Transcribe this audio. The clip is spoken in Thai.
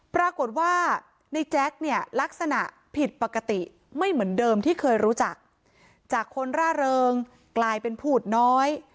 ปรากฏว่าในแจ๊คเนี่ยลักษณะผิดปกติไม่เหมือนเดิมที่เคยรู้จักจากคนร่าเริงกลายเป็นพูดน้อย